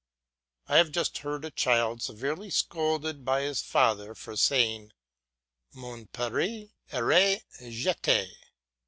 I have just heard a child severely scolded by his father for saying, "Mon pere, irai je t y?"